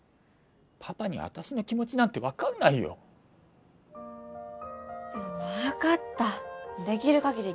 パパに私の気持ちなんて分かんないよ分かったできる限り